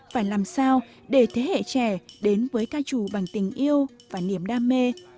phải làm sao để thế hệ trẻ đến với ca trù bằng tình yêu và niềm đam mê